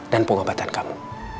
dan pengobatan kamu